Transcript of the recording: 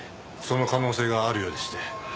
その可能性があるようでして。